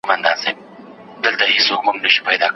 عامه ګټي بايد د انفرادي ګټو قرباني نه سي.